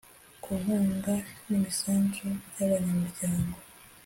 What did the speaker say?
ku nkunga n imisanzu by ‘abanyamuryango